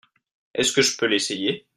Est-ce que je peux l'essayer ?